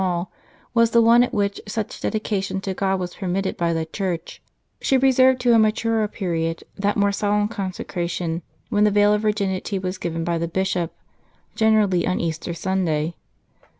law, was the one at which such dedication to God was per mitted by the Church, she reserved to a niaturer period that more solemn consecration, when the veil of virginity was given by the bishop ; generally on Easter Sunday.